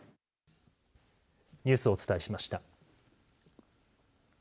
ニュースをお伝えしました。